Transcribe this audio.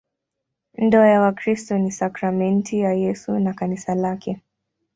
Ndoa ya Wakristo ni sakramenti ya Yesu na Kanisa lake.